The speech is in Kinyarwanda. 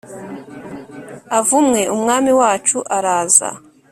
avumwe Umwami wacu araza